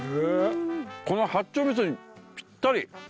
この八丁みそにぴったり。